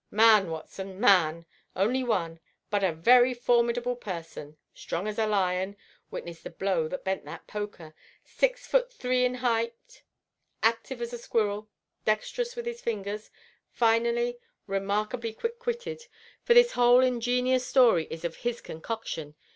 "Man, Watson, man. Only one, but a very formidable person. Strong as a lion—witness the blow that bent that poker. Six foot three in height, active as a squirrel, dexterous with his fingers; finally, remarkably quick witted, for this whole ingenious story is of his concoction.